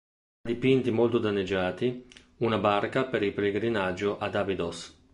Tra i dipinti, molto danneggiati, una barca per il pellegrinaggio ad Abydos.